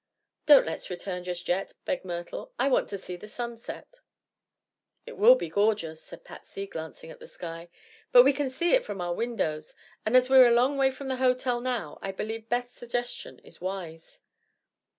"Don't let's return just yet," begged Myrtle. "I want to see the sun set." "It will be gorgeous," said Patsy, glancing at the sky; "but we can see it from our windows, and as we're a long way from the hotel now I believe Beth's suggestion is wise."